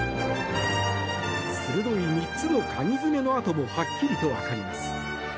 鋭い３つのかぎ爪の跡もはっきりとわかります。